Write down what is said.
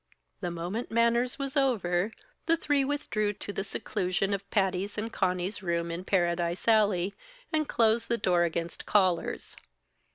The moment "manners" was over, the three withdrew to the seclusion of Patty's and Conny's room in Paradise Alley, and closed the door against callers.